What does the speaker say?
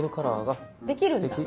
できるんだ？